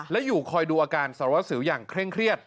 และอยู่คอยดูอาการสารวัสสิวอย่างเคร่งเครียด